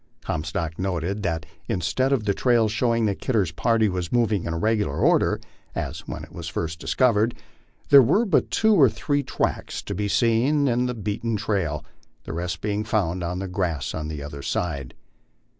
Comstock noticed that instead of the trail showing that Kidder's party was moving in regular order, as when at first discovered, there were but two or three tracks to be seen in the beaten trail, the rest being found on the grass on either side.